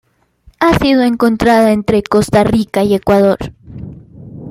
Ha sido encontrada entre Costa Rica y Ecuador.